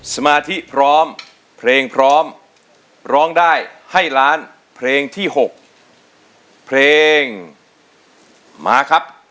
สมาธิพร้อมเพลงพร้อมร้องได้ให้ล้านเพลงที่๖เพลงมาครับ